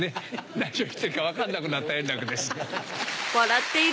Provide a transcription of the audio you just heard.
何を言ってるか分かんなくなった円楽です。